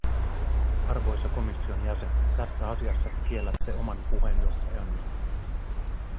Arvoisa komission jäsen, tässä asiassa te kiellätte oman puheenjohtajanne.